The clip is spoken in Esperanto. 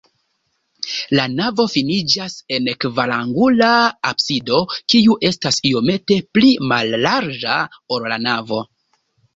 La navo finiĝas en kvarangula absido, kiu estas iomete pli mallarĝa, ol la navo.